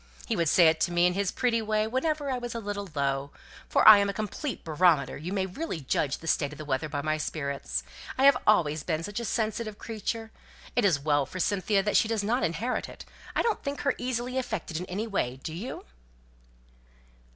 He would say it to me, in his pretty way, whenever I was a little low for I am a complete barometer you may really judge of the state of the weather by my spirits, I have always been such a sensitive creature! It is well for Cynthia that she does not inherit it; I don't think her easily affected in any way, do you?"